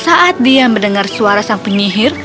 saat dia mendengar suara sang penyihir